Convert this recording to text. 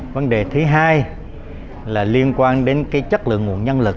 vấn đề thứ hai là liên quan đến chất lượng